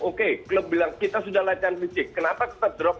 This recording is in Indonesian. oke klub bilang kita sudah latihan fisik kenapa kita drop